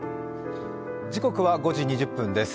時刻は５時２０分です。